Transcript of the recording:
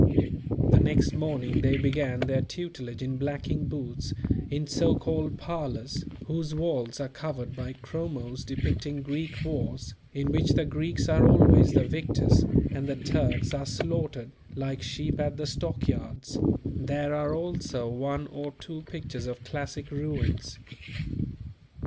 The next morning they began their tutelage in blacking boots in so called parlours, whose walls are covered by chromos depicting Greek wars in which the Greeks are always the victors and the Turks are slaughtered like sheep at the stockyards; there are also one or two pictures of classic ruins.